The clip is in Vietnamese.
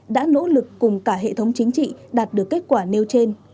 đã nỗ lực cùng cả hệ thống chính trị đạt được kết quả nêu trên